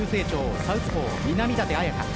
サウスポー・南舘絢華。